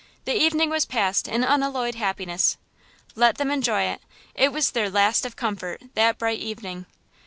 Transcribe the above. The evening was passed in unalloyed happiness. Let them enjoy it! It was their last of comfort–that bright evening!